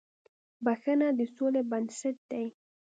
• بښنه د سولې بنسټ دی.